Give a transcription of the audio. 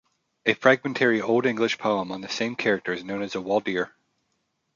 A fragmentary Old English poem on the same character is known as "Waldere".